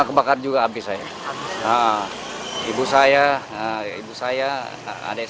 kebakar juga habis saya ibu saya adik saya habis